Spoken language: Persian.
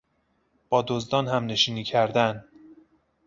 با دزدان همنشینی کردن